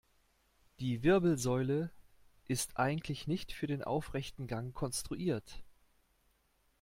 Die Wirbelsäule ist eigentlich nicht für den aufrechten Gang konstruiert.